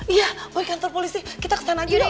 iya boy di kantor polisi kita kesana aja dong